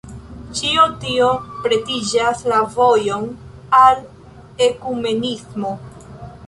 Ĉio tio pretigas la vojon al ekumenismo.